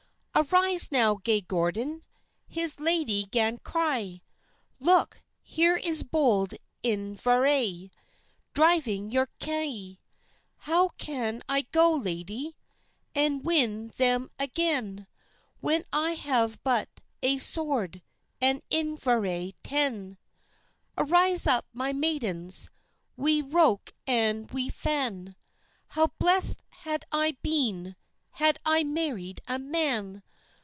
"Arise now, gay Gordon," His lady 'gan cry, "Look, here is bold Inveraye Driving your kye." "How can I go, lady, An' win them again, When I have but ae sword, And Inveraye ten?" "Arise up, my maidens, Wi' roke and wi' fan, How blest had I been Had I married a man!